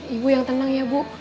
ibu yang tenang ya bu